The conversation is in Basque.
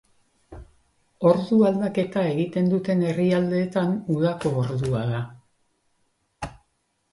Ordu aldaketa egiten duten herrialdeetan, udako ordua da.